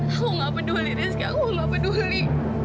aku nggak peduli rizky aku gak peduli